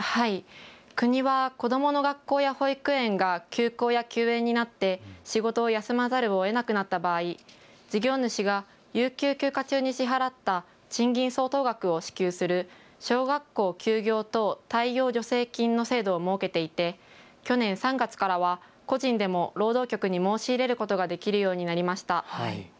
国は子どもの学校や保育園が休校や休園になって仕事を休まざるをえなくなった場合、事業主が有給休暇中に支払った賃金相当額を支給する小学校休業等対応助成金の制度を設けていて去年３月からは個人でも労働局に申し入れることができるようになりました。